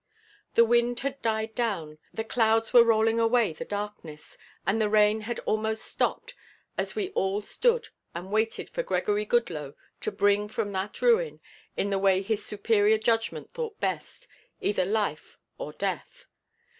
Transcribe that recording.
The wind had died down, the clouds were rolling away the darkness and the rain had almost stopped as we all stood and waited for Gregory Goodloe to bring from that ruin, in the way his superior judgment thought best, either life or death.